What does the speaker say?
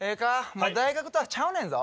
もう大学とはちゃうねんぞ。